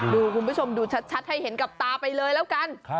คุณผู้ชมดูชัดให้เห็นกับตาไปเลยแล้วกัน